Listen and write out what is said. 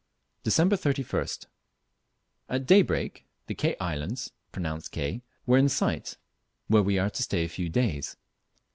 Dec. 31st At daybreak the Ke Islands (pronounced Kay) were in sight, where we are to stay a few days.